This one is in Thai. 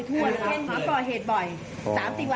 ทำก่อเหตุบ่อย